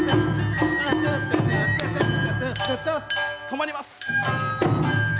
止まります。